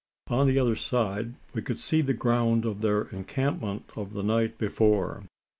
On the other side, we could see the ground of their encampment of the night before.